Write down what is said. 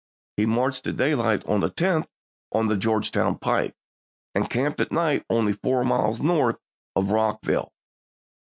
He marched at daylight of the 10th on the Georgetown Pike, and camped at night only four miles north of Rockville.